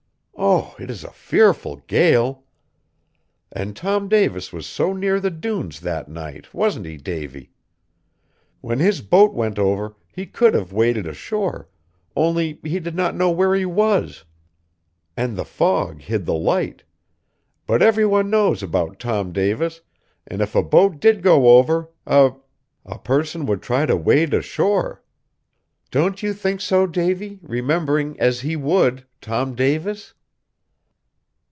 Oh! it is a fearful gale! And Tom Davis was so near the dunes that night, wasn't he, Davy? When his boat went over, he could have waded ashore, only he did not know where he was and the fog hid the Light; but every one knows about Tom Davis, and if a boat did go over, a a person would try to wade ashore. Don't you think so, Davy, remembering, as he would, Tom Davis?"